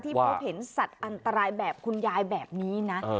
พบเห็นสัตว์อันตรายแบบคุณยายแบบนี้นะ